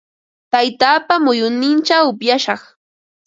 Taytaapa muyunninchaw upyashaq.